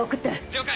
了解！